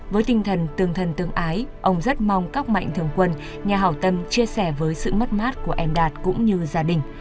với tinh thần tương thân tương ái ông rất mong các mạnh thường quân nhà hảo tâm chia sẻ với sự mất mát của em đạt cũng như gia đình